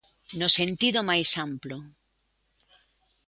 No sentido máis amplo.